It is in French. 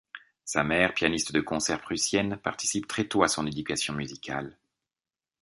Sa mère, pianiste de concert prussienne, participe très tôt à son éducation musicale.